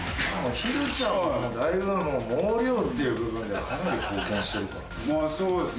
ひるちゃんはもうだいぶ毛量っていう部分ではかなり貢献してるからね。